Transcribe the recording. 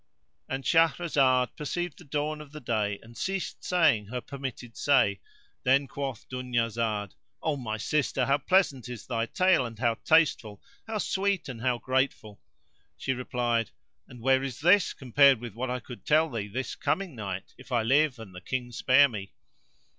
And Shahrazad perceived the dawn of day and ceased saying her permitted say: then quoth Dunyazad, "O my sister, how pleasant is thy tale, and how tasteful; how sweet, and how grateful!" She replied, "And where is this compared with what I could tell thee this coming night, if I live and the King spare me?"